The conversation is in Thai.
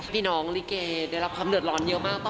น้องลิเกได้รับความเดือดร้อนเยอะมาก